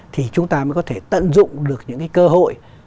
thì chúng ta mới có thể tận dụng được những cái cơ hội